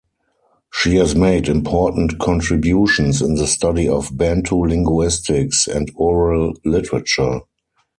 She has made important contributions in the study of Bantu linguistics and oral literature.